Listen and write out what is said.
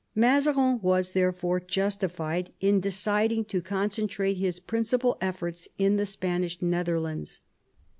Mazarin was, therefore, justified in deciding to con centrate his principal efforts in the Spanish Netherlands.